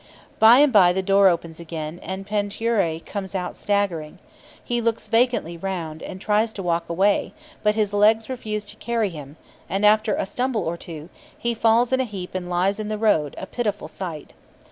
By and by the door opens again, and Pentuere comes out staggering. He looks vacantly round, and tries to walk away; but his legs refuse to carry him, and, after a stumble or two, he falls in a heap and lies in the road, a pitiful sight.